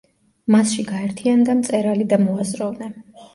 მასში გაერთიანდა მწერალი და მოაზროვნე.